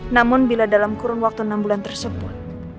namun bila dalam kurun waktu enam bulan tersebut